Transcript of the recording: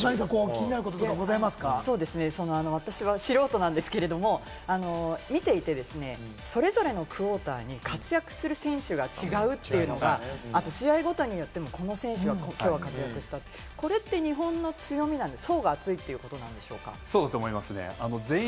私は素人なんですけれども、見ていてですね、それぞれのクオーターに活躍する選手が違うというのが、試合ごとによっても、この選手はきょう活躍したって、これって日本の強みなんですか？